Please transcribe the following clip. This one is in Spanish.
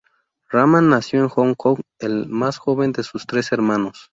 Rahman nació en Hong Kong, el más joven de sus tres hermanos.